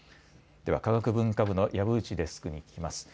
では科学文化部の籔内デスクに聞きます。